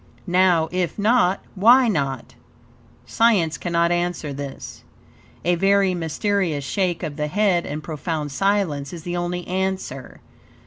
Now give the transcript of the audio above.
Now, if not, why not? Science cannot answer this. A very mysterious shake of the head and profound silence is the only answer.